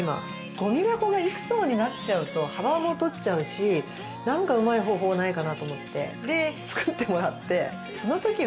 ゴミ箱がいくつもになっちゃうと幅も取っちゃうし何かうまい方法ないかなと思ってで作ってもらって。